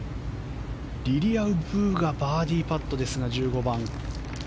リリア・ブがバーディーパットですが１５番。